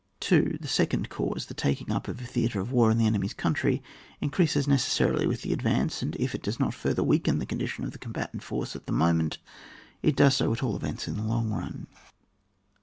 2. The second cause, the taking up a theatre of war in the enemy's country, increases necessarily with the advance, and if it does not further weaken the condition of the combatant force at the moment, it does so at all events in the long run.